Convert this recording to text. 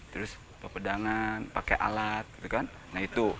terus pepedangan pakai alat nah itu